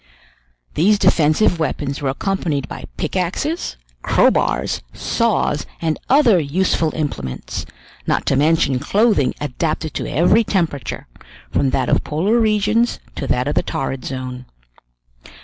These defensive weapons were accompanied by pickaxes, crowbars, saws, and other useful implements, not to mention clothing adapted to every temperature, from that of polar regions to that of the torrid zone.